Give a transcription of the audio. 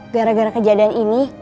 gara gara kejadian ini